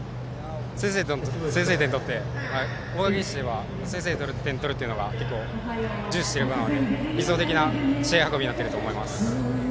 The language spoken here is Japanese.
先制点を取って大垣日大としては先制点を取ることを結構、重視しているので理想的な試合運びになっていると思います。